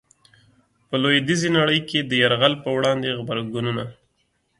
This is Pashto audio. په لويديځي نړۍ کي د يرغل په وړاندي غبرګونونه